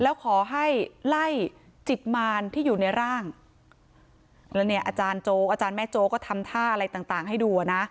แล้วขอให้ไล่จิตมารที่อยู่ในร่างแล้วเนี่ยอาจารย์โจ๊อาจารย์แม่โจ๊ก็ทำท่าอะไรต่างต่างให้ดูอ่ะนะ